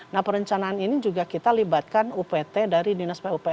nah perencanaan ini juga kita libatkan upt dari dinas pupr